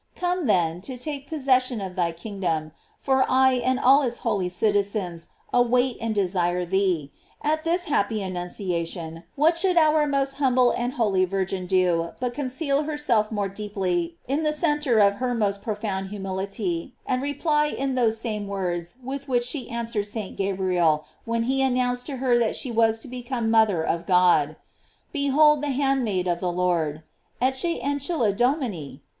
Come then, to take possession of thy kingdom, for I and all its holy citizens await and desire thee. At this happy annunciation what should our most humble and holy Virgin do but conceal her self more deeply in the centre of her most pro found humility, and reply in those same words with which she answered St. Gabriel when he announced to her that she was to become moth er of God: Behold the handmaid of the Lord: "Ecce ancilla Domini